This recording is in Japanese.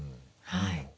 はい。